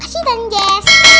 makasih tante jess